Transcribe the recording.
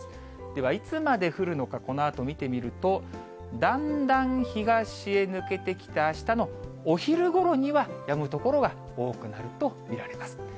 ではいつまで降るのか、このあと見てみると、だんだん東へ抜けてきて、あしたのお昼ごろには、やむ所が多くなると見られます。